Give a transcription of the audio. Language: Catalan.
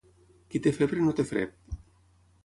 Qui té febre no té fred.